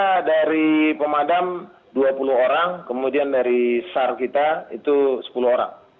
kita dari pemadam dua puluh orang kemudian dari sars kita itu dua puluh orang